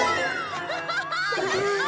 「ハハハッ！